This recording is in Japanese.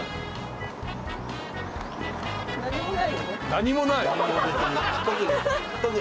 何もない！？